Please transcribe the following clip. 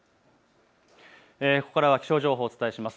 ここからは気象情報をお伝えしします。